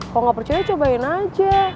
kalau nggak percaya cobain aja